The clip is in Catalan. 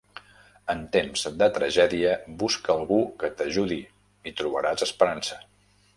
En temps de tragèdia, busca algú que t'ajudi i trobaràs esperança.